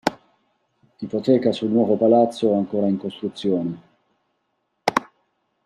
Ipoteca sul nuovo palazzo ancora in costruzione…